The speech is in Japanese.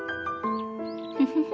フフフ。